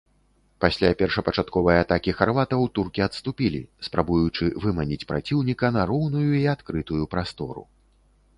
Пасля першапачатковай атакі харватаў, туркі адступілі, спрабуючы выманіць праціўніка на роўную і адкрытую прастору.